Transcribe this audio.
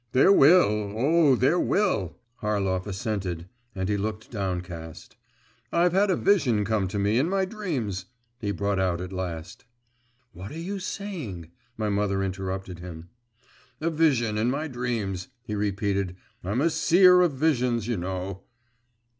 'There will! oh, there will!' Harlov assented and he looked downcast. 'I've had a vision come to me in my dreams,' he brought out at last. 'What are you saying?' my mother interrupted him. 'A vision in my dreams,' he repeated 'I'm a seer of visions, you know!